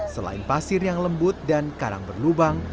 selain pasir yang lembut dan karang berlubang